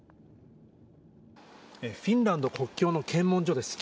フィンランド国境の検問所です。